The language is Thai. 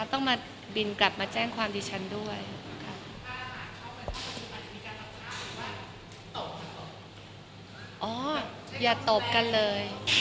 ต้องมาบินกลับมาแจ้งความดิฉันด้วยค่ะ